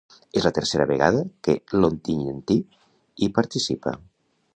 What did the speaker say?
És la tercera vegada que l’ontinyentí hi participa.